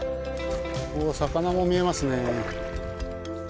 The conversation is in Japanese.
お魚も見えますね。